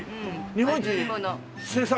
日本一生産？